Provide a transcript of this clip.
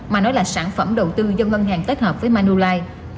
mà nói là sản phẩm đầu tư do ngân hàng tết hợp với manulife